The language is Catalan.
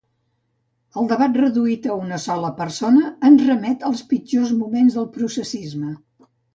El debat reduït a una sola persona ens remet als pitjors moments del “processisme”.